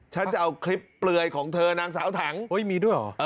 ฉันจะเอาคลิปเปลือยของเธอนางสาวถังมีด้วยเหรอ